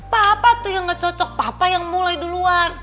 papa tuh yang gak cocok apa yang mulai duluan